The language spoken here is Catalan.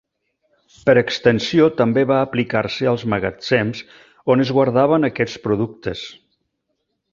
Per extensió també va aplicar-se als magatzems on es guardaven aquests productes.